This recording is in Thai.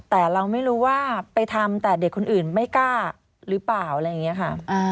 แต่เราไม่รู้ว่าไปทำแต่เด็กคนอื่นไม่กล้าหรือเปล่าอะไรอย่างนี้ค่ะ